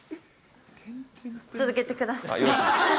続けてください。